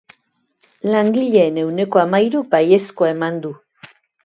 Langileen ehuneko hamahiruk baiezkoa eman du.